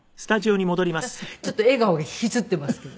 ちょっと笑顔が引きつっていますけど。